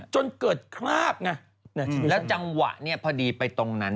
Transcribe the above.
จนเกิดคราบและจังหวะพอดีไปตรงนั้น